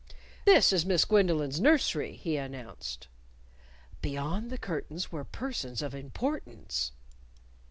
"This is Miss Gwendolyn's nursery," he announced. Beyond the curtains were persons of importance!